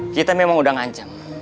kita memang udah ngancem